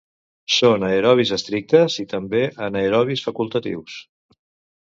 Són aerobis estrictes i també anaerobis facultatius.